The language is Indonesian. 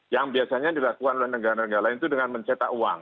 yang biasanya dilakukan oleh negara negara lain itu dengan mencetak uang